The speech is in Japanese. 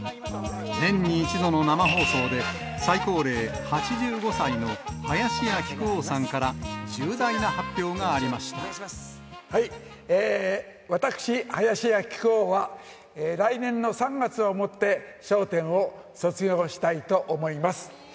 年に１度の生放送で、最高齢８５歳の林家木久扇さんから、重大な私、林家木久扇は来年の３月をもって、笑点を卒業したいと思います。